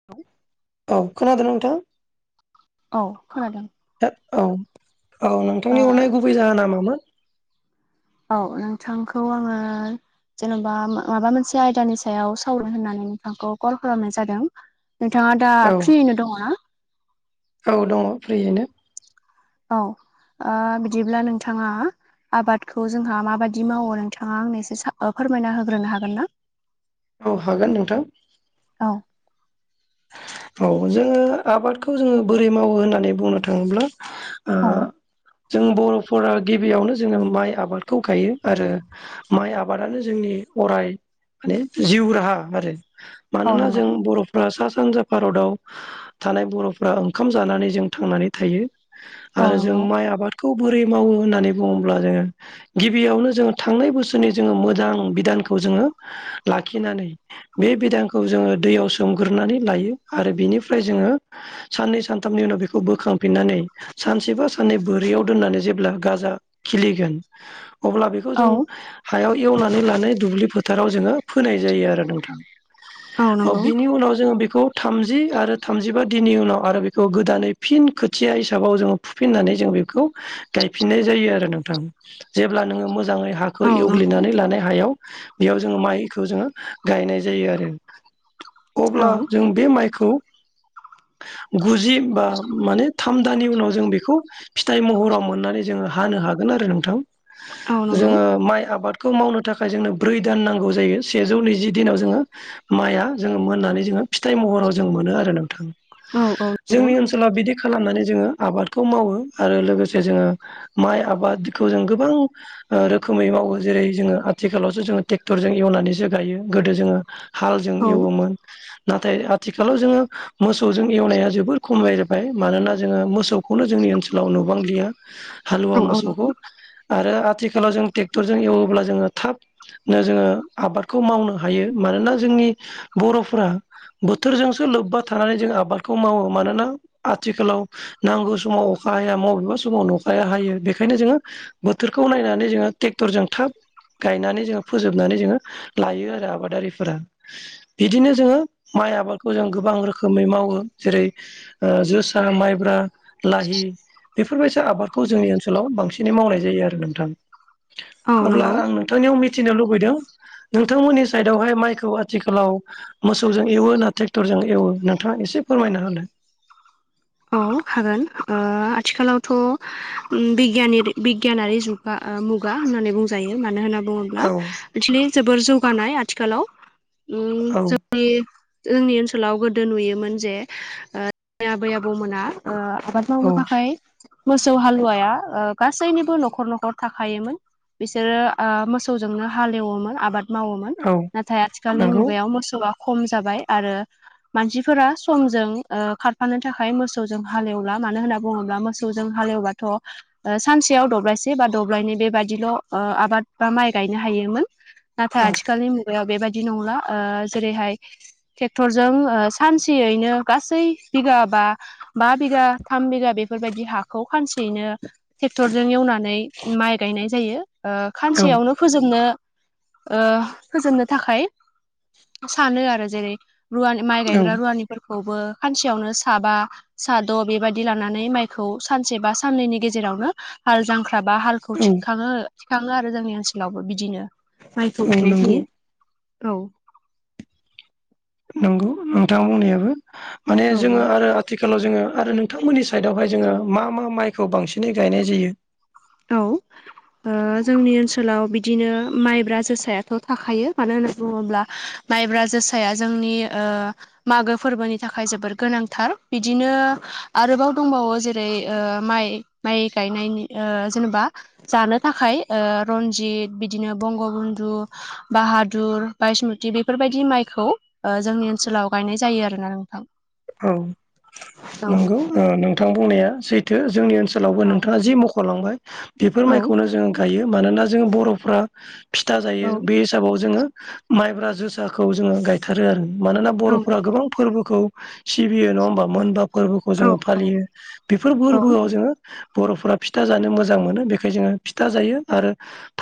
[inaudible] औ खोनादों नोंथां औ खोनादों था औ। औ ओ नोंथांनि हरनाय गुबै जाहोना मामोन? औ नोंथांखौ आङो जेन'बा मा माबा मोनसे आयदानि सायाव सावरायनायनो होननानै नोंथांखौ कल खालामनाय जादों। नोंथाङा दा औ फ्रियैनो दङ ना? औ दङ फ्रियैनो। औ आ बिदिब्ला नोंथाङा आबादखौ जोंहा माबायदि मावो नोंथाङा आंनो एसे साफा फोरमायना होग्रोनो हागोन ना? औ हागोन नोंथां। औ। औ जोङो आबादखौ जोङो बोरै मावो होननानै बुंनो थाङोब्ला ओ औ जों बर'फोरा गिबियावनो जोङो माइ आबादखौ गायो आरो माइ आबादानो जोंनि अराय माने जिउ राहा आरो। औ मानोना नंगौ जों बर'फ्रा सा सानजा भारताव थानाय बर'फ्रा ओंखाम जानानै जों थांनानै थायो। औ आरो जों नंगौ माइ आबादखौ बोरै मावो होननानै बुङोब्ला जोङो गिबियावनो जोङो थांनाय बोसोरनि जोङो मोजां बिधानखौ जोङो लाखिनानै बे बिदांखौ जोङो दैयाव सोमग्रोनानै लायो आरो बिनिफ्राय जोङो साननै सानथामनि उनाव बेखौ बोखां फिननानै सानसे बा साननै बोरियाव दोननानै जेब्ला गाजा खिलिगोन अब्ला बे खौ औ जों हायाव एवनानै लानाय दुब्लि फोथाराव जोङो फोनाय जायो आरो नोंथां। औ बिनि उनाव जोङो बे खौ थामजि आरो थामजिबा दिननि उनाव आरो बेखौ गोदानै फिन खोथिया हिसाबाव जोङो फुफिननानै जों बेखौ गायफिननाय जायो आरो नोंथां जेब्ला नोङो मोजाङै हा खौ औ नंगौ एवग्लिनानै लानाय हायाव बेयाव जोङो माइ खौ जोङो गायनाय जायो आरो औ अब्ला जों बे माइखौ गुजि बा माने थाम दानि उनाव जों बेखौ फिथाइ महराव मोननानै जोङो हानो हागोन आरो नोंथां औ नंगौ जोङो माइ आबाद खौ मावनो थाखाय जोंनो ब्रै दान नांगौ जायो सेजौ नैजि दिनाव जोङो माइआ जोङो मोननानै जोङो फिथाइ महराव जों मोनो आरो नोंथां औ औ नंगौ जोंनि ओनसो लाव बिदि खालामनानै जोङो आबादखौ मावो आरो लोगोसे जोङो माइ आबादखौ जों गोबां रोखोमै मावो जेरै जोङो आथिखालावसो जोङो ट्रेक्टरजों एवनानैसो गायो गोदो जोङो हालजों औ एवोमोन। नाथाय आथिखालाव जोङो मोसौजों एवनाया जोबोर खमलायबाय मानोना जोङो मोसौ बे खौनो जोंनि ओनसोलाव नुबांलिया हालुवा औ औ नंगौ मोसौखौ आरो आथिखालाव जों ट्रेक्टरजों एवोब्ला जोङो थाब नो जोङो आबादखौ मावनो हायो मानोना जोंनि बर'फोरा बोथोरजोंसो लोब्बा थानानै जों आबादखौ मावो मानोना आथिखालाव नांगौ समाव अखा हाया बबेबा समाव अखाया हायो बेखायनो जोङो बोथोरखौ नायनानै जोङो ट्रेक्टरजों थाब गायनानै जोङो फोजोबनानै जोङो लायो आरो आबादारिफोरा बिदिनो जोङो माइ आबादखौ जों गोबां रोखोमै मावो जेरै जोसा, माइब्रा, लाहि बेफोरबायस आबादखौ जोंनि ओनसोलाव बांसिनै मावनाय जायो आरो नोंथां औ अब्ला नंगौ आं नों थांनियाव मिथिनो लुबैदों नोंथांमोननि साइडआवहाय माइखौ आथिखालाव मोस मोसौजों एवो ना ट्रेक्टरजों एवो नोंथाङा एसे फोरमायना होलाय। औ हागोन ओ आथिखालावथ' उम बिगियानारि बिगियानारि जुग। गा ओ मुगा होननानै बुंजायो मानो होनना बुङो ब्ला औ इदिनो जोबोर जौगानाय आथिखालाव उम औ जों नि जोंनि ओनसोलाव गोदो नुयोमोन जे ओ आबै आबौ बौ मोना ओ आबाद मावनो औ थाखाय मोसौ हालुवाया ओ गासैनिबो न'खर न'खर थाखायोमोन। बिसोरो ओ मोसौजोंनो हाल एवोमोन आबाद मावौमोन औ नाथाय आथिखालनि नंगौ मुगायाव मोसौआ खम जाबाय आरो मानसिफोरा समजों ओ खारफानो थाखा खाय मोसौजों हाल एवला मानो होनना बुङोब्ला मोसौजों हाल एवबाथ' ओ सानसेयाव दब्लायसे बा दब्लायनै बेबादिल' ओ आबाद बा माइ गायनो हायोमोन। नाथाय औ आथिखालनि मुगायाव बेबायदि नंला ओ जेरैहाय ट्रेक्टरजों ओ सानसेयैनो गासै बिगा बा बा बिगा थाम बिगा बेफोरबायदि हाखौ खानसेयैनो टेक्टरजों एवना नै माइ गायनाय जायो ओ औ खानसेयावनो फोजोबनो ओह फोजोबनो थाखाय सानो आरो जेरै रुवानि माइ औ औ गायग्रा रुवानिफोरखौबो खानसेयावनो साबा साद' बेबायदि लानानै माइखौ सानसे बा साननैनि गेजेरावनो हाल जांख्रा बा हाल खौ थिखाङो थिखाङो आरो जोंनि ओनसोलावबो बिदिनो माइखौ औ गायनाय नंगौ जायो। औ नंगौ नोंथां बुंनायाबो माने औ जोङो आरो आथिखालाव जोङो आरो नोंथांमोननि साइडआवहाय जोङो मा मा माइखौ बांसिनै गायनाय जायो औ ओ जोंनि ओनसोलाव बिदिनो माइब्रा जोसायाथ' थाखायो मानो होनो बुङोब्ला माइब्रा जौसाया जोंनि ओ मागो फोरबोनि थाखाय जोबोर गोनांथार बिदिनो आरोबाव दंबावो जेरै ओ माइ माइ गायनायनि ओ जेनेबा जानो थाखाय ओ रन्जित बिदिनो बंग बन्धु बाहादुर बाइसमुति बेफोरबायदि माइखौ ओ जोंनि ओनसोलाव गायनाय जायो आरो ना नोंथां। औ औ नंगौ ओ नोंथां बुंनाया सैथो जोंनि ओन सोलावबो नोंथाङाजि मख'लांबाय बेफोर औ माइखौनो जोङो गायो मानोना जों बर'फ्रा फिथा औ जायो बे हिसाबाव जोङो माइब्रा जोसाखौ जोङो गायथारो आरो। मानोना औ बर'फोरा नंगौ गोबां फोरबोखौ सिबियो नङा होमबा मोनबा फोरबोखौ औ जोङो फालियो बेफोर औ बोरबोआव जोङो बर'फोरा फिथा जानो मोजां मोनो बेखाय जोङो फिथा जायो आरो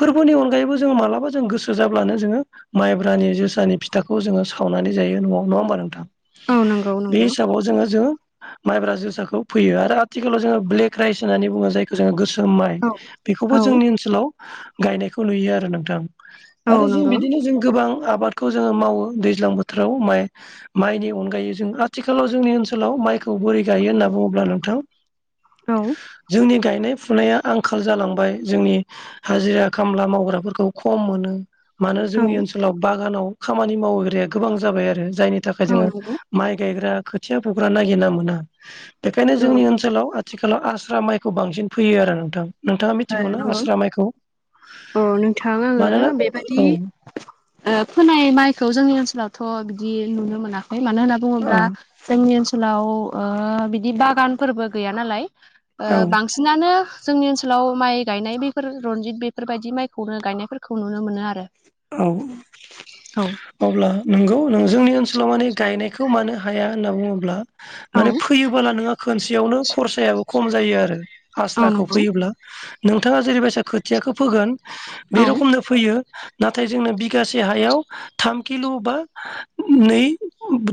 फोरबोनि अनगायैबो जोङो मालाबा जों गोसो जाब्लानो जोङो माइब्रानि जोसानि फिथाखौ जोङो सावनानै जायो न'आव नङा होमबा नोंथां? औ नं बे हिसाबाव जोङो जों माइब्रा जोसाखौ फैयो आरो आथिखालाव जोङो ब्लेक राइस होननानै बुङो जाय जोङो गोसोम माइ औ बेखौबो औ जोंनि ओनसोलाव गायनायखौ नुयो आरो नोंथां औ आरो जों नंगौ बिदिनो जों गोबां आबाद खौ जोङो मावो दैज्लां बोथोराव माइ माइनि अनगायै जों आथिखालाव जोंनि ओनसोलाव माइ खौ बोरै गायो होनना बुङोब्ला नोंथां औ जोंनि गायनाय फुनाया आंखाल जालांबाय जोंनि हाजिरा खामला मावग्राफोरखौ खम मोनो मानो औ जोंनि ओनसोलाव बागानाव खामानि मावोग्राया गोबां जाबाय आरो जायनि थाखाय औ जोङो नंगौ माइ गायग्रा खोथिया फुग्रा नायगिरना मोना बेखायनो औ जोंनि ओनसोलाव आ थिखालाव आस्रा माइखौ बांसिन फैयो आरो नोंथां नोंथाङा ओ मिथिगौ ना नंगौ आस्रा माइखौ औ नोंथां आङो मानोना बेबादि ओ-औ ओ फोनाय माइखौ जोंनि ओनसोलावथ' बिदि नुनो मोनाखै मानो होनना औ बुङोब्ला जोंनि ओनसोलाव ओ बिदि बागानफोरबो गैया नालाय ओ औ बां सिनानो जोंनि ओनसो आथिखालाव माइ गायनाय बेफोर रनजित बेफोरबायदि माइखौनो गायनायफोरखौ नुनो मोनो आरो औ औ अब्ला नोंगौ जोंनि ओनसोलाव मान गायनाय मानो हाया होनना बुङोब्ला औ माने फैयोला नोङो खोनसेयावनो खरसायाबो खम जायो आरो औ आस्राखौ नंगौ फैयोब्ला। नोंथाङा जेरैबायसा खोथियाखो फोगोन बे औ रखमनो फैयो। नाथाय जोंनो बिगासे हायाव थाम किल' बा नै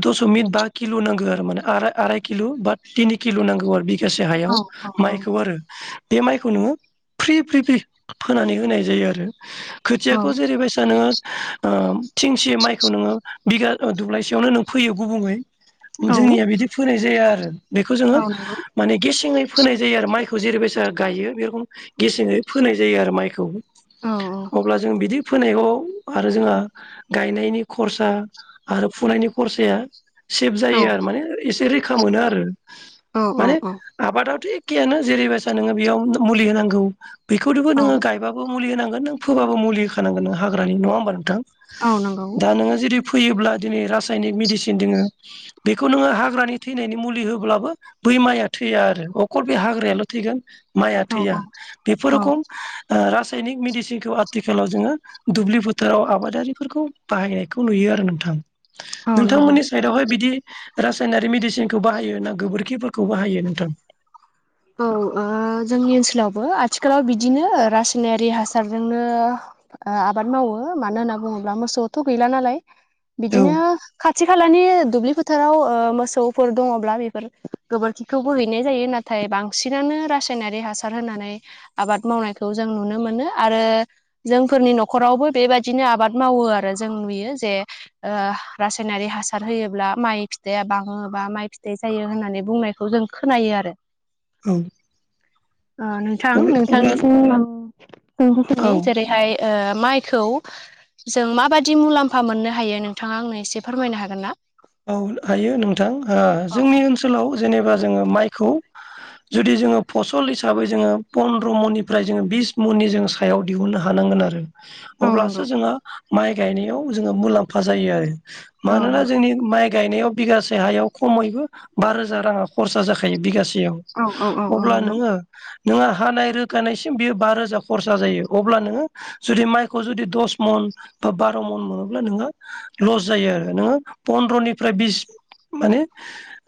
दसमिक बा किल' नांगौ आरो माने आराइ आराइ किलु' बा थिनि किलु' नांगौ आरो बिगासे औ हायाव औ माइखौ आरो। बे माइखौ नोङो फ्रि -फ्रि -फ्रि फोनानै होनाय जायो आरो खो औ जेरैबायसा नोङो ओ थिंसे माइखौ नोङो बिघा ओ दब्लायसेयावनो नों फैयो गुबुङै औ जोंनिया बिदि फोनाय जाया आरो बेखौ जोङो औ नंगौ माने गेसेङै फोनाय जायो आरो माइखौ जेरैबायसा गायो बे रखोम गेसेङै फोनाय जायो आरो माइखौ। औ अब्ला जों बिदि फोनायखौ आरो जोंहा गायनायनि खरसा आरो फुनायनि खरसाया सेभ औ जायो आरो माने एसे रैखा मोनो आरो माने औ औ आबादाथ' एखेयानो जेरैबायसा नोङो बेयाव मुलि होनांगौ बेखौथ'बो औ नोङो गायबाब [unintelligible] मुलि होनांगोन नों फोबाबो मुलि होखानांगोन हाग्रानि नङा होमबा नोंथां औ नंगौ दा नों जेरै फैयोब्ला दिनै रासायनिक मेडिसिन दोङो बेखौ नोङो हाग्रानि थैनायनि मुलि होब्लाबो बै माइआ थैया आरो अखल बे हाग्रायाल' थैगोन। माइआ औ थैया औ बेफोर औ रखम ओ रासायनिक मेडिसिनखौ आथिखालाव जोङो दुब्लि फोथाराव आबादारिफोरखौ बाहायनायखौ नुयो आरो नोंथां। औ नंगौ नोंथांमोननि साइडआवहाय बिदि रासायनारि मेडिसिनखौ बाहायो ना गोबोरखिफोर खौ बाहायो नोंथां। औ ओ जोंनि ओनसोलावबो आथिखालाव बिदिनो रासायनारि हासारजोंनो ओ आबाद मावो मानो होनना बुङोब्ला मोसौथ' गैला नालाय औ बिदिनो खाथि खालानि दुब्लि फोथाराव ओ मोसौफोर दङब्ला बेफोर गोबोरखिखौबो हैनाय जायो ना नाथाय बांसिनानो रासायनारि हासार होनानै आबाद मावनायखौ जों नुनो मोनो आरो जोंफोरनि न'खरावबो बेबादिनो आबाद मावो आरो जों नुयो जे ओ रासायनारि हासार होयोब्ला माइ फिथाइया बाङो बा माइ फिथाइ जायो होननानै बुंनाय खौ जों खोनायो आरो। औ ओ नोंथां अब्ला नोंथांनिसिम आं रोखोमनि औ जेरैहाय ओ माइखौ जों माबादि मुलाम्फा मोननो हायो नोंथाङा आंनो एसे फोरमायनो हागोन ना? औ हायो नोंथां ओ औ जोंनि ओनसोलाव जेनेबा जोङो माइखौ जुदि जोङो फसल हिसाबै जोङो पन्द्र मननिफ्राय जोङो बिस मननि जोङो सायाव दिहुननो हानांगोन आरो। औ नंगौ अब्लासो जोंहा माइ गायनायाव जोङो मुलाम्फा जायो आरो औ मानोना नंगौ जोंनि माइ गायनायाव बिगासे हायाव खमैबो बा रोजा राङा खरसा जाखायो बिगासेयाव। औ औ औ औ अब्ला नंगौ नोङो नोंहा हानाय रोखानायसिम बेयो बा रोजा खरसा जायो अब्ला नोङो जुदि माइखौ जुदि दस मन बा बार' मन मोनोब्ला नोंहा लस जायो आरो नोङो फन्द्र'निफ्राय बिस माने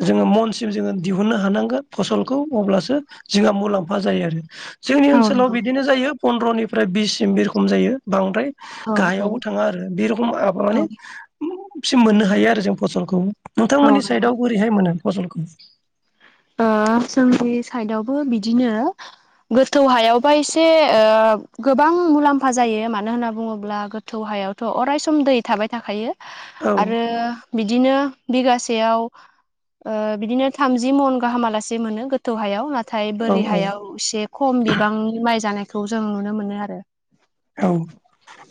जोङो मनसिम जोङो दिहुननो हानांगोन फसलखौ अब्लासो जोंहा मुलाम्फा जायो आरो जोंनि औ ओनसोलाव नंगौ बिदिनो जायो पन्द्रनिफ्राय बिससिम बि रखम जायो बांद्राय औ गाहायावबो थाङा आरो बे रखम आद माने मोननो हायो आरो जों फसलखौ। औ नोंथांमोननि नंगौ साइदआव बोरैहाय मोनो फसलखौ? ओ जोंनि साइडवबो बिदिनो गोथौ हायावबा एसे ओ गोबां मुलाम्फा जायो मानो होनना बुङोब्ला [unintelligible] थौ हायावथ' अरायस दै थाबाय थाखायो औ आरो बिदिनो बिगासेयाव ओ‌ बिदिनो थामजि मन गाहामालासे मोनो गोथौ हायाव नाथाय औ बोरि औ हायाव एसे खम बिबांनि माइ जानायखौ जों नुनो मोनो आरो। औ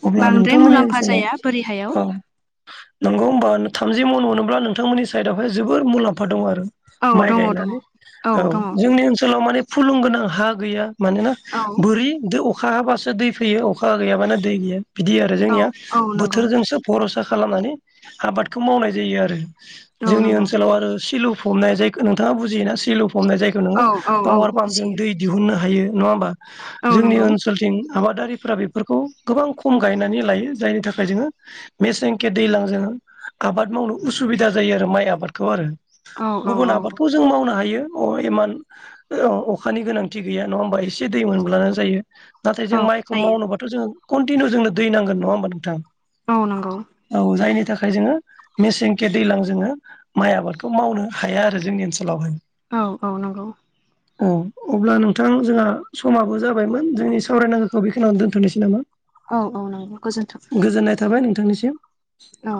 अब्ला बांद्राय नोंथांमोननि मुलाम्फा ओनसोलाव जाया बोरि हायाव औ। नंगौ होमबा थामजि मन मोनोब्ला नोंथांमोननि साइडआवहाय जोबोर मुलाम्फा दं आरो। औ माइ दङ दङ गायनानै औ जोंनि ओनसोलाव माने फुलुं गोनां हा गैया मानोना औ बोरि अखा हाबासो दै फैयो अखा गैयाबानो दै गैया। बिदि आरो जोंनिया औ औ नंगौ बोथोरजोंसो भरसा खालामनानै आबादखौ मावनाय जायो आरो। औ जोंनि नंगौ ओनसोलाव आरो सिलु फबनाय जाय नोंथाङा बुजियोना सिलु फबनाय जायग नोङो औ औ औ पावार पाम्पजों बुजियो दै दिहुननो हायो नङा होमबा औ जोंनि नंगौ ओनसोलथिं आबादारिफ्रा बेफोरखौ गोबां खम गायनानै लायो जायनि थाखाय जोङो मेसेंखे दैज्लांजों आबाद मावनो उसुबिदा जायो आरो माइ आबादखौ आरो। औ औ गुबुन औ आबादखौ जों मावनो हायो। अ इमान अखानि गोनांथि गैया नङा होमबा एसे दै मोनब्लाना जायो दा नाथाय जों औ माइखौ जायो मावनोबाथ' जोङो कन्टिनिउ जोंनो दै नांगोन नङा होमबा नोंथां? औ नंगौ। औ जायनि थाखाय जोङो मेसेंखे दैज्लां जोङो माइ आबादखौ मावनो हाया आरो जोंनि ओनसोलावहाय। औ औ नंगौ। औ अब्ला नोंथां जोंहा समाबो जाबायमोन जोंनि सावरायनांगौखौ बेखिनियावनो दोनथ'नोसै नामा? औ औ नंगौ गोजोन्थों। गोजोननाय थाबाय नोंथांनिसिम। औ।